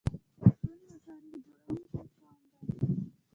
پښتون یو تاریخ جوړونکی قوم دی.